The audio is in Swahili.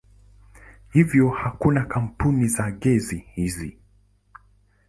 Hivyo hakuna kampaundi za gesi hizi.